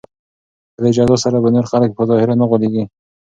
په دې جزا سره به نور خلک په ظاهر نه غولیږي.